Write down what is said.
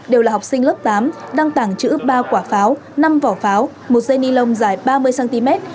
đều là học sinh lớp tám đăng tảng chữ ba quả pháo năm vỏ pháo một dây ni lông dài ba mươi cm